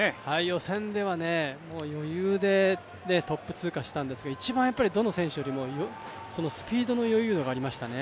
予選では余裕でトップ通過したんですが一番どの選手よりもスピードの余裕度がありましたよね。